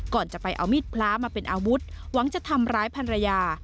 ก่อนจะไปเอามีดพล้ามาเป็นอาวุธหวังจะทำร้ายภรรยา